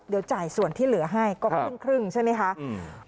เดี๋ยวจ่ายส่วนที่เหลือให้ก็ครึ่งครึ่งใช่ไหมคะอืม